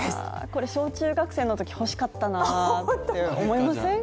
これ、小中学生のとき、欲しかったなって思いません？